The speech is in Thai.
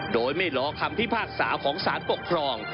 โดยไม่รอคำพิพากษาของสารปกครอง